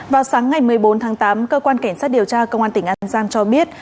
vào sáng ngày một mươi bốn tháng tám cơ quan cảnh sát điều tra công an tỉnh an giang cho biết